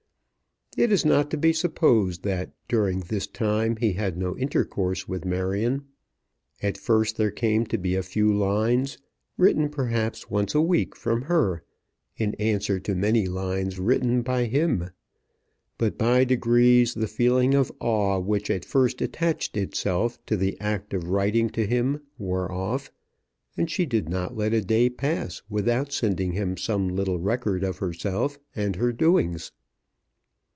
It is not to be supposed that during this time he had no intercourse with Marion. At first there came to be a few lines, written perhaps once a week from her, in answer to many lines written by him; but by degrees the feeling of awe which at first attached itself to the act of writing to him wore off, and she did not let a day pass without sending him some little record of herself and her doings.